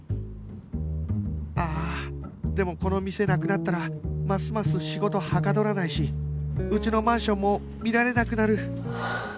ああでもこの店なくなったらますます仕事はかどらないしうちのマンションも見られなくなる